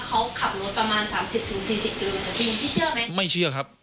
เขาขับรถประมาณสามสิบถึงสี่สิบกิโลเมตรพี่เชื่อไหมไม่เชื่อครับ